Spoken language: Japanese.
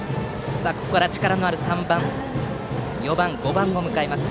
ここから力のある３番、４番、５番を迎えます。